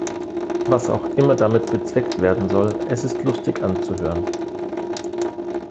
Was auch immer damit bezweckt werden soll, es ist lustig anzuhören.